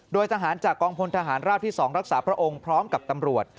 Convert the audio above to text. โดยทหารจากกองพลทหารราบที่๒รักษาพระองค์พร้อมกับตำรวจ